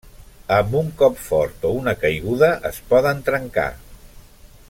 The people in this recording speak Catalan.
Amb un cop fort o una caiguda es poden trencar.